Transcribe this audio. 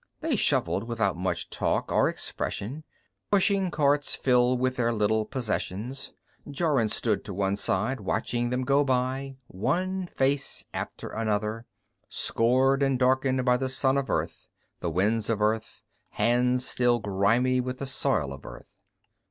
They shuffled without much talk or expression, pushing carts filled with their little possessions. Jorun stood to one side, watching them go by, one face after another scored and darkened by the sun of Earth, the winds of Earth, hands still grimy with the soil of Earth.